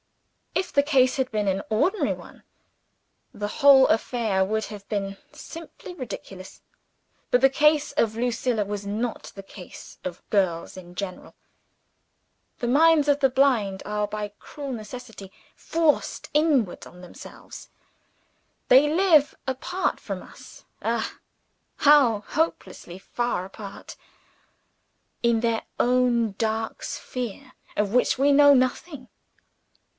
If the case had been an ordinary one, the whole affair would have been simply ridiculous. But the case of Lucilla was not the case of girls in general. The minds of the blind are, by cruel necessity, forced inward on themselves. They live apart from us ah, how hopelessly far apart! in their own dark sphere, of which we know nothing.